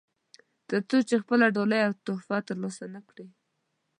تر څو چې خپله ډالۍ او تحفه ترلاسه نه کړي.